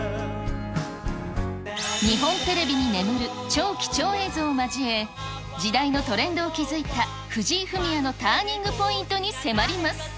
日本テレビに眠る超貴重映像を交え、時代のトレンドを築いた藤井フミヤのターニングポイントに迫ります。